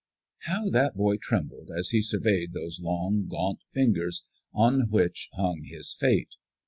How that boy trembled as he surveyed those long, gaunt fingers on which hung his fate!